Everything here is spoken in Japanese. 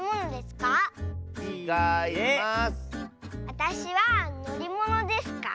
わたしはのりものですか？